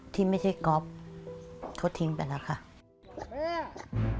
ที่ไม่ใช่ก๊อฟเขาทิ้งไปแล้วค่ะอืม